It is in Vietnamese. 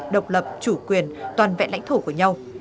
độc lập chủ quyền toàn vẹn lãnh thổ của nhau